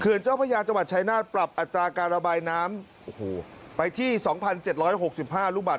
เขือนเจ้าพระยาจัวรรดิชัยนาศปรับอัตราการระบายน้ำโอ้โหไปที่สองพันเจ็ดร้อยหกสิบห้าลูกบัตร